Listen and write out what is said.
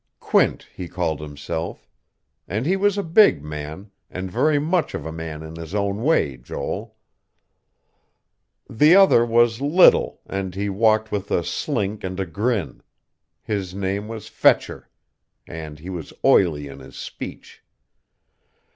Quint, he called himself. And he was a big man, and very much of a man in his own way, Joel. "The other was little, and he walked with a slink and a grin. His name was Fetcher. And he was oily in his speech.